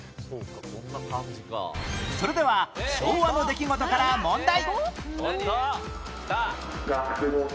それでは昭和の出来事から問題